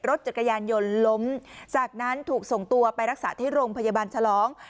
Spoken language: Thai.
รถจักรยานยนต์ล้มจากนั้นถูกส่งตัวไปรักษาที่โรงพยาบาลฉลอง